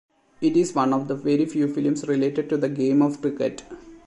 It is one of the very few films related to the game of cricket.